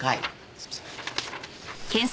すみません。